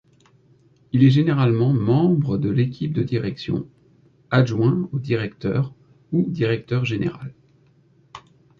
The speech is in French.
Il est généralement membre de l'équipe de direction, adjoint au directeur ou directeur général.